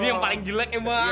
ini yang paling jelek emang